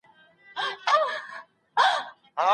هغه څوک چي بد وايي، خلګ ترې لېري کېږي.